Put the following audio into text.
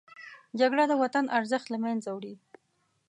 جګړه د وطن ارزښت له منځه وړي